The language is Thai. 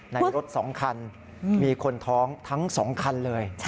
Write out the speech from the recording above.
ในรถ๒คันมีคนท้องทั้ง๒คันเลย